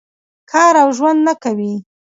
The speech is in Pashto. کار او ژوند نه کوي.